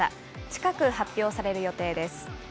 近く、発表される予定です。